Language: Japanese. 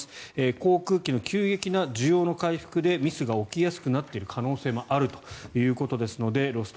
航空機の急激な需要の回復でミスが起きやすくなっている可能性もあるということですのでロスト